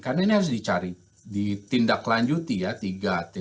karena ini harus dicari ditindaklanjuti ya tiga t